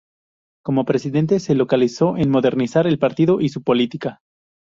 Como presidente, se localizó en modernizar el partido y su política.